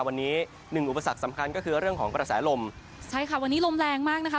วันนี้หนึ่งอุปสรรคสำคัญก็คือเรื่องของกระแสลมใช่ค่ะวันนี้ลมแรงมากนะคะ